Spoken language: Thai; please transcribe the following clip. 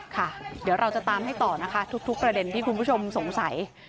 ค่ะเดี๋ยวเราจะตามให้ต่อนะคะทุกประเด็นที่คุณผู้ชมสงสัย